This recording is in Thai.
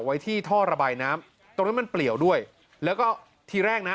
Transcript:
ไว้ที่ท่อระบายน้ำตรงนั้นมันเปลี่ยวด้วยแล้วก็ทีแรกนะ